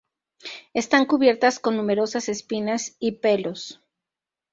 Están cubiertas con numerosas espinas y pelos.